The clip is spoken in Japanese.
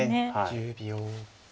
１０秒。